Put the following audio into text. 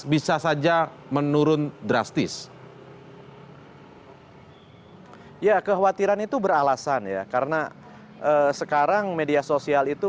bisa saja menurun drastis ya kekhawatiran itu beralasan ya karena sekarang media sosial itu